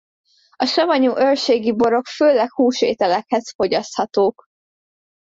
A savanyú őrségi borok főleg húsételekhez fogyaszthatók.